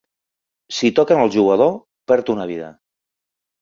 Si toquen al jugador, perd una vida.